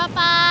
uang kecil apa